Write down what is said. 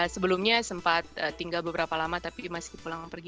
sebelumnya sempat tinggal beberapa lama tapi masih pulang pergi